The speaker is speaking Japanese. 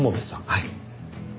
はい。